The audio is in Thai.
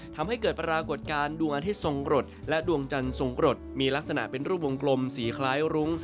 ทำให้เกิดปรากฏการณ์ดวงอาทิตย์ทรงกรดและดวงจันทร์ทรงกรดมีลักษณะเป็นรูปวงกลมสีคล้ายรุ้ง